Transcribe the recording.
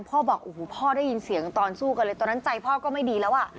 บอกโอ้โหพ่อได้ยินเสียงตอนสู้กันเลยตอนนั้นใจพ่อก็ไม่ดีแล้วอ่ะ